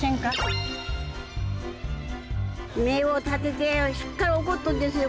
爪を立ててしっかり怒っとですよ